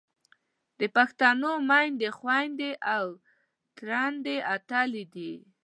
د پښتنو میندې، خویندې او تریندې اتلې دي.